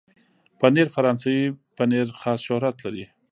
پنېر فرانسوي پنېر خاص شهرت لري.